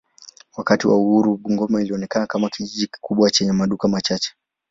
Wakati wa uhuru Bungoma ilionekana kama kijiji kikubwa chenye maduka machache.